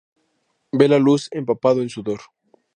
Ve la luz "Empapado en sudor".